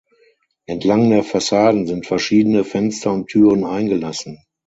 Entlang der Fassaden sind verschiedene Fenster und Türen eingelassen.